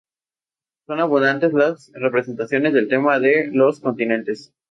Son abundantes las representaciones del tema de los continentes.